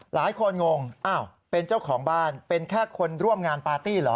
งงอ้าวเป็นเจ้าของบ้านเป็นแค่คนร่วมงานปาร์ตี้เหรอ